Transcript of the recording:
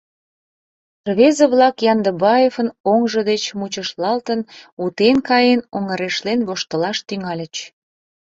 Рвезе-влак Яндыбаевын оҥжо деч мучышталтын, утен каен, оҥырешлен воштылаш тӱҥальыч.